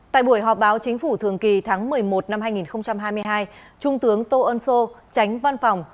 tại buổi họp báo chính phủ thường kỳ tháng một mươi một năm hai nghìn hai mươi hai trung tướng tô ân sô tránh văn phòng